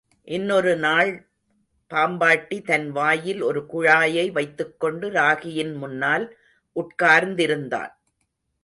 இன்னொரு நாள் பாம்பாட்டி தன் வாயிலே ஒரு குழாயை வைத்துக்கொண்டு ராகியின் முன்னால் உட்கார்ந் திருந்தான்.